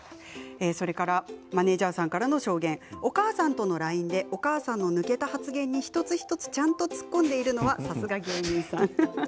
マネージャーさんからの証言、お母さんとのＬＩＮＥでお母さんの抜けた発言に一つ一つちゃんと突っ込んでいるのはさすが芸人さん。